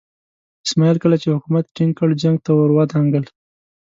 اسماعیل کله چې حکومت ټینګ کړ جنګ ته ور ودانګل.